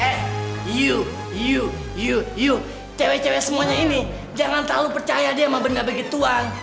eh you you you you cewek cewek semuanya ini jangan terlalu percaya dia sama benda begituan